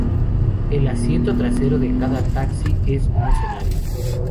El asiento trasero de cada taxi es un escenario.